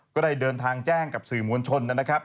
ก็ได้เดินทางแจ้งกับสื่อมวลชนนะครับ